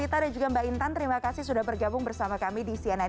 para cnn dan para pemirsa sekalian